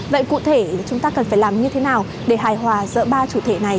vậy cụ thể chúng ta cần phải làm như thế nào để hài hòa giữa ba chủ thể này